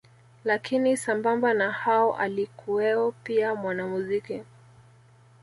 Lakini sambamba na hao alikuweo pia mwanamuziki